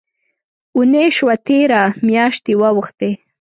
اوونۍ شوه تېره، میاشتي واوښتې